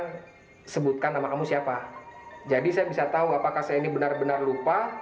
saya sebutkan nama kamu siapa jadi saya bisa tahu apakah saya ini benar benar lupa